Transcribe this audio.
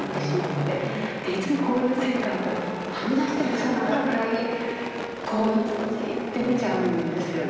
でいつもこういう線からこうはみ出して見そうになるぐらいこういつもジーッて見ちゃうんですよね。